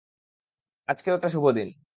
আজকেও একটা শুভ দিন।